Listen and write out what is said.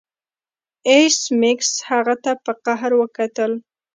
ایس میکس هغه ته په قهر وکتل